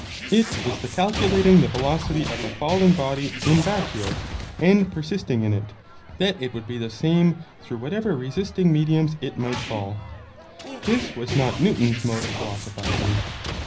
It is the calculating the velocity of a falling body in vacuo, and persisting in it, that it would be the same through whatever resisting mediums it might fall. This was not Newton's mode of philosophizing.